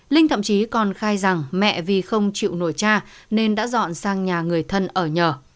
linh thậm chí còn khai rằng mẹ vì không chịu nổi cha nên đã dọn sang nhà người thân